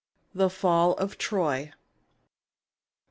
THE FALL OF TROY I.